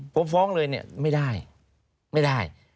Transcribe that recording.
ผมฟ้องเลยเนี่ยไม่ได้ไม่ได้